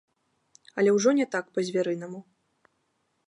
Але ўжо не так па-звярынаму.